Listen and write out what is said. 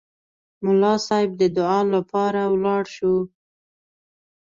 ملا صیب د دعا لپاره ولاړ شو.